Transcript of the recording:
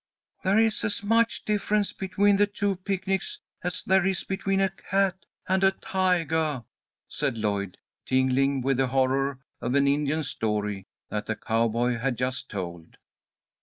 "There is as much difference between the two picnics as there is between a cat and a tigah," said Lloyd, tingling with the horror of an Indian story that the cowboy had just told.